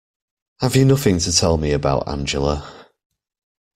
Have you nothing to tell me about Angela?